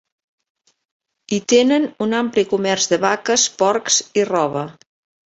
I tenen un ampli comerç de vaques, porcs i roba.